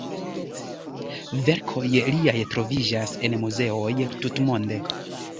Verkoj liaj troviĝas en muzeoj tutmonde.